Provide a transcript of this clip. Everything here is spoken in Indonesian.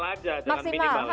kalau maksimal aja jangan minimal